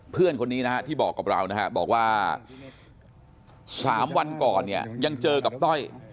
เพื่อนคนนี้นะฮะที่บอกกับเรานะฮะบอกว่า๓วันก่อนเนี่ยยังเจอกับต้อย